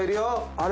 あれ。